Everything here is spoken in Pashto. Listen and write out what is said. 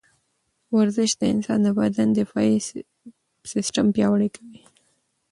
ورزش د انسان د بدن دفاعي سیستم پیاوړی کوي.